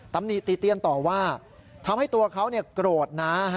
ตำหนิติเตียนต่อว่าทำให้ตัวเขาโกรธน้า